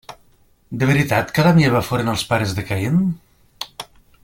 De veritat que Adam i Eva foren els pares de Caín?